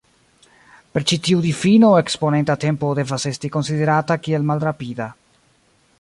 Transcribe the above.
Per ĉi tiu difino, eksponenta tempo devas esti konsiderata kiel malrapida.